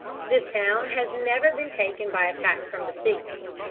This town has never been taken by attack from the sea.